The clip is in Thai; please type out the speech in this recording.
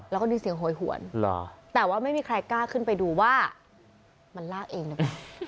แล้วก็มีเสียงโหยหวนแต่ว่าไม่มีใครกล้าขึ้นไปดูว่ามันลากเองหรือเปล่า